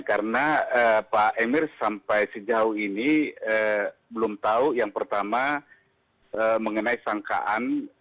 karena pak emir sampai sejauh ini belum tahu yang pertama mengenai sangkaan